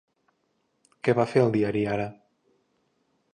Què va fer el diari Ara?